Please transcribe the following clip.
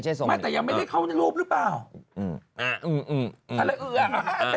แต่ยังไม่ได้เข้าในรวบหรือเปล่า